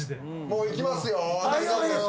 もう行きますよ。